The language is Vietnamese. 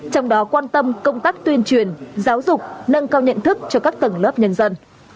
trong đó quan tâm công tác tuyên truyền giáo dục nâng cao nhận thức cho các tầng lớp nhân dân